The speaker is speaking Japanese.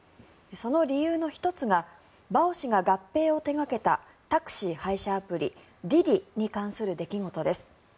その理由の１つがバオ氏が合併を手掛けたタクシー配車アプリＤｉＤｉに関する出来事です。